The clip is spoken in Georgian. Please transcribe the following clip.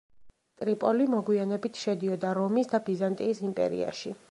ტრიპოლი მოგვიანებით შედიოდა რომის და ბიზანტიის იმპერიაში.